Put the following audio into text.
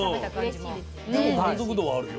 でも満足度はあるよ。